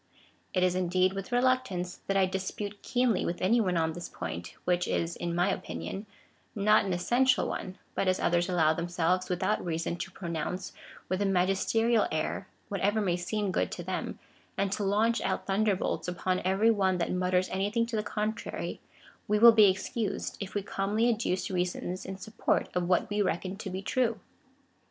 It is, indeed, with reluctance, that I dispute keenly with any one on this point, which is (in my opinion) not an essential one ; but as others allow themselves, without reason, to pronounce, with a magisterial air, whatever may seem good to them, and to launch out thunderbolts upon every one that mutters anything to the contrary, we will be ex cused, if we calmly adduce reasons in support of what we reckon to be true.